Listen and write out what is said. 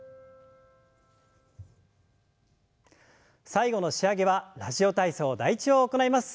最後の仕上げは「ラジオ体操第１」を行います。